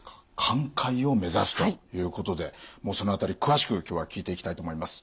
寛解を目指すということでもうその辺り詳しく今日は聞いていきたいと思います。